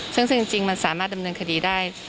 ซึ่งจริงมันสามารถดำเนินคดีได้